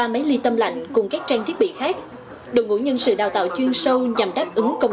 ba máy ly tâm lạnh cùng các trang thiết bị khác đội ngũ nhân sự đào tạo chuyên sâu nhằm đáp ứng công